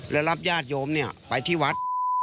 และรับญาติโยมไปที่วัด